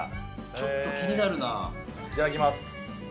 ちょっと気になるなあいただきます